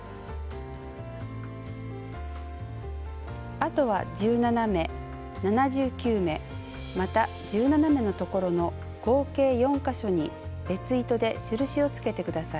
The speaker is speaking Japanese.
あとは１７目７９目また１７目のところの合計４か所に別糸で印をつけてください。